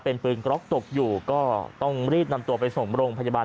เป็นปืนกล็อกตกอยู่ก็ต้องรีบนำตัวไปส่งโรงพยาบาล